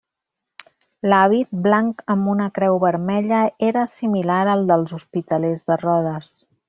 L'hàbit, blanc amb una creu vermella, era similar al dels Hospitalers de Rodes.